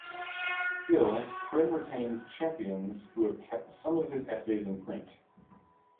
Still, Krim retains champions who have kept some of his essays in print.